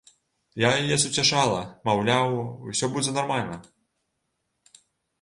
Я яе суцяшала, маўляў, усё будзе нармальна.